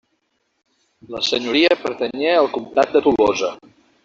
La senyoria pertanyé al comtat de Tolosa.